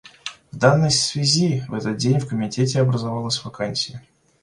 В данной связи в этот день в Комитете образовалась вакансия.